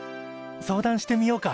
相談してみようか。